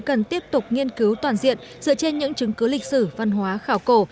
cần tiếp tục nghiên cứu toàn diện dựa trên những chứng cứ lịch sử văn hóa khảo cổ